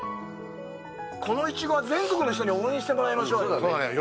このイチゴは、全国の人に応援してもらいましょうよ。